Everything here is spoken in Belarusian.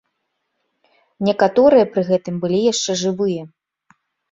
Некаторыя пры гэтым былі яшчэ жывыя.